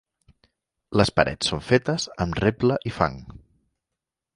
Les parets són fetes amb reble i fang.